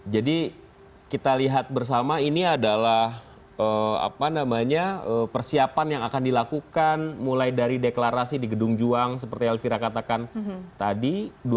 jadi kita lihat bersama ini adalah persiapan yang akan dilakukan mulai dari deklarasi di gedung juang seperti alfira katakan tadi